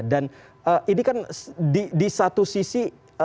dan ini kan di satu sisi